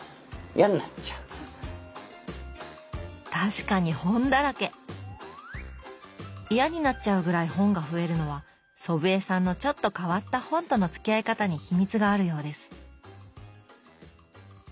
嫌になっちゃうぐらい本が増えるのは祖父江さんのちょっと変わった本とのつきあい方に秘密があるようです。